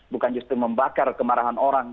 bukan justru membakar kemarahan orang